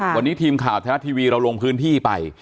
วันนี้ทีมข่าวธนัดทวีย์เรารบลงพื้นที่ไป